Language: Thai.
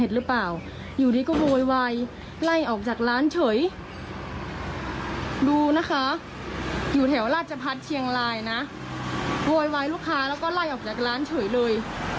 แล้วก็ไล่ออกจากร้านเฉยเลย